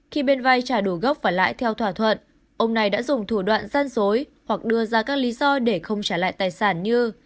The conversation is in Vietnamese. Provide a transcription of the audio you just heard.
khi bên vai trả đủ gốc và lãi theo thỏa thuận ông này đã dùng thủ đoạn gian dối hoặc đưa ra các lý do để không trả lại tài sản như